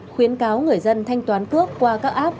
khuyến cáo người dân thanh toán cước qua các app